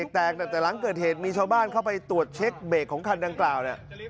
แตกแต่หลังเกิดเหตุมีชาวบ้านเข้าไปตรวจเช็คเบรกของคันดังกล่าวเนี่ย